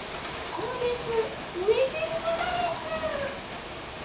どうです？